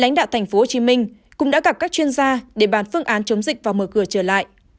lãnh đạo tp hcm cũng đã gặp các chuyên gia để bàn phương án chống dịch và mở cửa trở lại